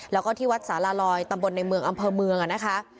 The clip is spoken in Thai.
แล้วก็ที่วัดสารลอยตำบลในเมืองอำเภอเมืองนะคะ